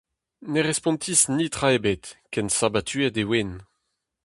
Ne respontis netra ebet ken sabatuet e oan.